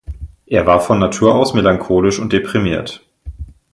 Er war von Natur aus melancholisch und deprimiert.